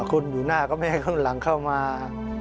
คนอยู่หน้าก็ไม่ให้ข้างหลังเข้ามา